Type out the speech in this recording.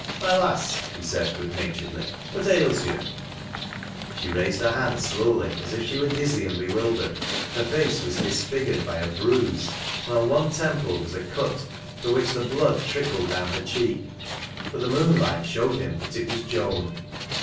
" My lass," he said good naturedly, " what ails you ?" She raised her head slowly as if she were dizzy and be ^vildered. Her face was disfigured by a bruise, and on one temple was a cut from which the blood trickled down her cheek; but the moonlight showed him that it was loan.